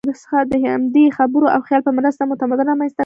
د همدې خبرو او خیال په مرسته مو تمدن رامنځ ته کړ.